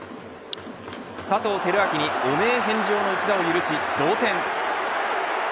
佐藤輝明に汚名返上の一打を許し同点。